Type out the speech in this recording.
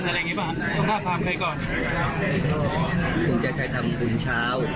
สมบัติการพลังมีชาติรักษ์ได้หรือเปล่า